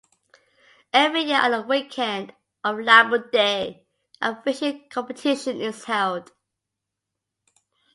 Every year on the weekend of Labour Day a fishing competition is held.